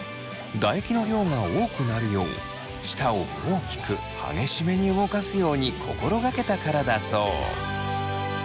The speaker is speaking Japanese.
唾液の量が多くなるよう舌を大きく激しめに動かすように心がけたからだそう。